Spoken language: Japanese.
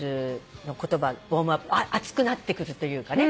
熱くなってくるというかね。